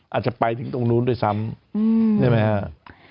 อาจจะไปถึงตรงนู้นด้วยซ้ำใช่ไหมครับ